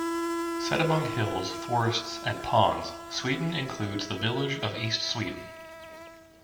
Set among hills, forests and ponds, Sweden includes the village of East Sweden.